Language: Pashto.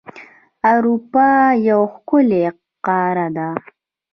اروپا یو ښکلی قاره ده.